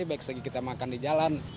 baik segi kita makan di jalan